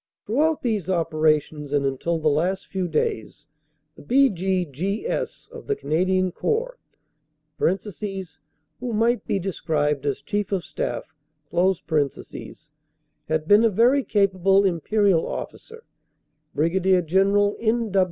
Throughout these opera tions and until the last few days, the B.G.G.S. of the Canadian Corps (who might be described as Chief of Staff) had been a very capable Imperial officer, Brig. General N.